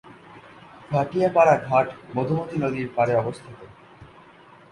ভাটিয়াপাড়া ঘাট মধুমতি নদীর পাড়ে অবস্থিত।